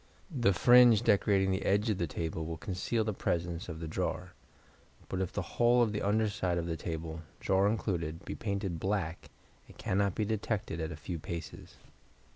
The fringe decorating the edge of the table will conceal the presence of the drawer; but if the whole of the under side of the table, drawer included, be painted black, it cannot be detected at a few paces.